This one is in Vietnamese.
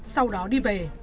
sau đó đi về